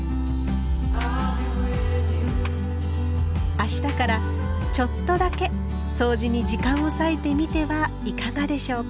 明日からちょっとだけそうじに時間を割いてみてはいかがでしょうか？